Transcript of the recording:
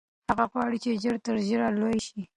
هغه غواړي چې ژر تر ژره لوی شي.